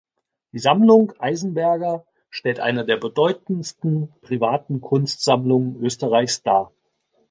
Die Sammlung Eisenberger stellt eine der bedeutendsten privaten Kunstsammlungen Österreichs dar.